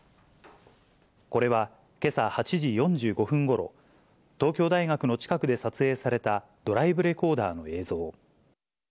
これは、けさ８時４５分ごろ、東京大学の近くで撮影されたドライブレコーダーの映像。